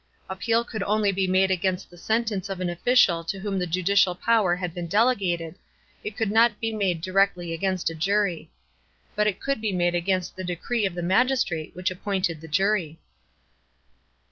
Appeal could only be made against the sentence of an official to whom judicial power had been delegated, it could not be made directly against a jury; but it could be made against the decree of the magistrate which appointed the jury.